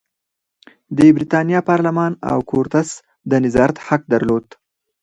د برېتانیا پارلمان او کورتس د نظارت حق درلود.